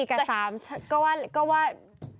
มันบวกกับไม่เป็นพีคแล้วนะ